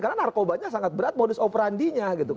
karena narkobanya sangat berat modus operandinya